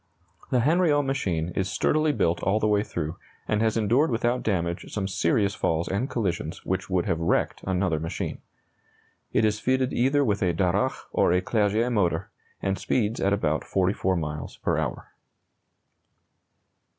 The Hanriot machine is sturdily built all the way through, and has endured without damage some serious falls and collisions which would have wrecked another machine. It is fitted either with a Darracq or a Clerget motor, and speeds at about 44 miles per hour.